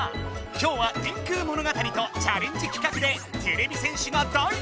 今日は電空物語とチャレンジ企画でてれび戦士が大活やく。